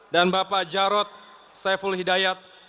dan bapak jarod saiful hidayat